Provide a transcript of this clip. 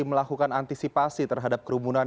melakukan antisipasi terhadap kerumunan